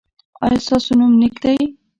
ایا ستاسو نوم نیک دی؟